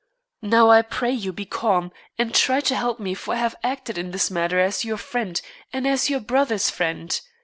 Now, I pray you, be calm, and try to help me, for I have acted in this matter as your friend and as your brother's friend.